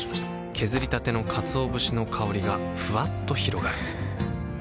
削りたてのかつお節の香りがふわっと広がるはぁ。